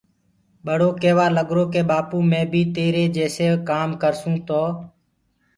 ٻڙو ڪيوآ لگرو ڪي ٻآپو مي بيٚ وهآنٚ تيري جيسي ڪآم ڪرسونٚ تو